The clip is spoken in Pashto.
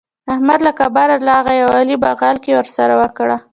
احمد له کابله راغی او علي بغل کښي ورسره وکړه.